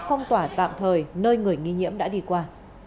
phong tỏa tạm thời nơi người nghi nhiễm đã đi qua